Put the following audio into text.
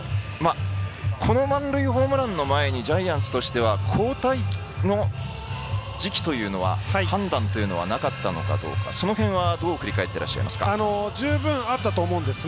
この満塁ホームランの前にジャイアンツとしては交代の時期というのは判断というのはなかったのかどうか、その辺、どう振り返っていらっしゃいますか。